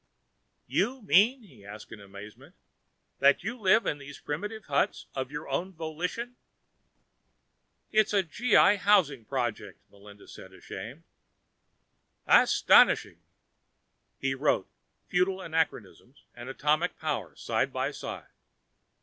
"You mean," he asked in amazement, "that you live in these primitive huts of your own volition?" "It's a G.I. housing project," Melinda said, ashamed. "Astonishing." He wrote: _Feudal anachronisms and atomic power, side by side.